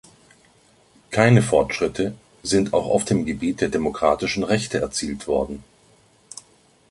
Keine Fortschritte sind auch auf dem Gebiet der demokratischen Rechte erzielt worden.